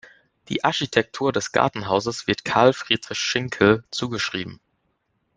Die Architektur des Gartenhauses wird Karl Friedrich Schinkel zugeschrieben.